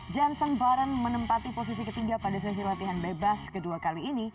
johnson barren menempati posisi ketiga pada sesi latihan bebas kedua kali ini